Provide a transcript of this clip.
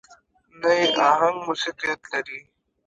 نه يې اهنګ موسيقيت لري.